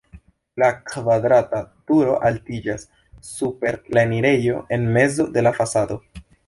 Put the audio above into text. La kvadrata turo altiĝas super la enirejo en mezo de la fasado.